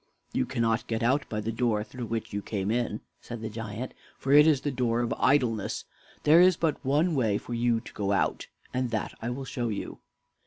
"You cannot get out by the door through which you came in," said the giant, "for it is the door of Idleness. There is but one way for you to get out, and that I will show you."